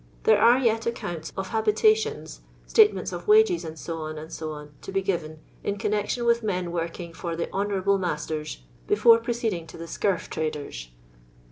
There are yet accounts of habitations, state ments of wages, &c., &&, to be given, in connection with men working for the honourable masters, before proceeding to the senrftrederi.